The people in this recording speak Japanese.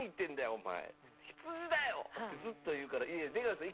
お前未だよってずっと言うからいや出川さん